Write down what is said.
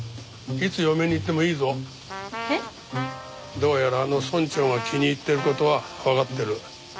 どうやらあの村長が気に入ってる事はわかってる。